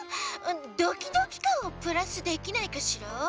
ドキドキかんをプラスできないかしら？